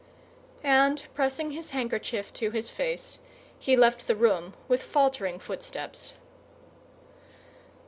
And, pressing his handkerchief to his face, he left the room, with faltering footsteps.